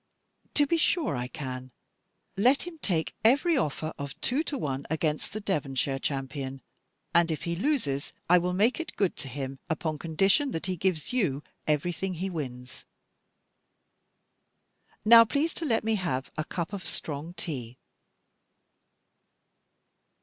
"To be sure, I can. Let him take every offer of two to one against the Devonshire champion; and if he loses I will make it good to him, upon condition that he gives you everything he wins. Now please to let me have a cup of strong tea."